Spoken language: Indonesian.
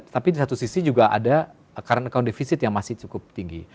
tapi di satu sisi juga ada current account defisit yang masih cukup tinggi